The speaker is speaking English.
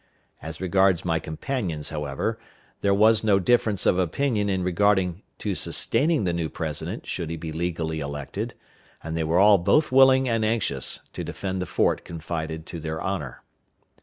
As regards my companions, however, there was no difference of opinion in regard to sustaining the new President should he be legally elected, and they were all both willing and anxious to defend the fort confided to their honor.